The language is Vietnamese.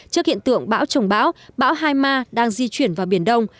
trước hiện tượng bão trồng bão bão hai ma đang di chuyển vào biển đông